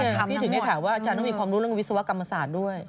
พี่ถึงได้ถามว่าอาจารย์ต้องมีความรู้เรื่องวิศวกรรมศาสตร์ด้วย